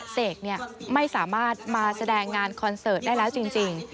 เสกไม่สามารถมาแสดงงานคอนเสิร์ตได้แล้วจริง